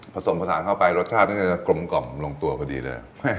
ผสมผสานเข้าไปรสชาติน่าจะกลมกล่อมลงตัวพอดีเลย